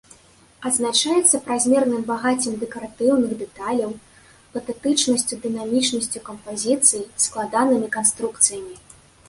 Адзначаецца празмерным багаццем дэкаратыўных дэталяў, патэтычнасцю, дынамічнасцю кампазіцыі, складанымі канструкцыямі.